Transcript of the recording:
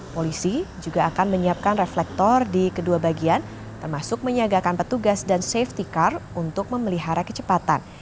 polisi juga akan menyiapkan reflektor di kedua bagian termasuk menyiagakan petugas dan safety car untuk memelihara kecepatan